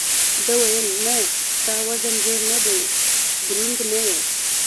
ده وویل: نه، ستا وزن ډېر نه دی، دروند نه یې.